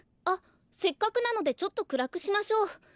あっせっかくなのでちょっとくらくしましょう。